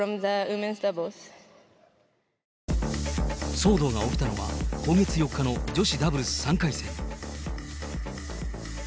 騒動が起きたのは今月４日の女子ダブルス３回戦。